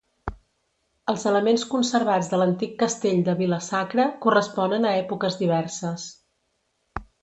Els elements conservats de l'antic castell de Vila-sacra corresponen a èpoques diverses.